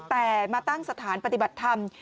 แต่มาตั้งสถานปฏิบัติธรรม